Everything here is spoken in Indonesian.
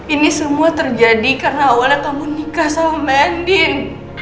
ini semua terjadi karena awalnya kamu nikah sama andin